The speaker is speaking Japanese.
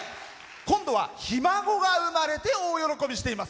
今度はひ孫が生まれて大喜びしています。